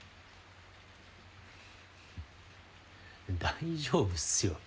大丈夫っすよ